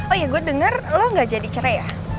oh ya gue denger lo gak jadi cerai ya